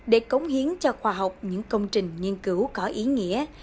để cống hiến cho khoa học những công trình nghiên cứu có ý nghĩa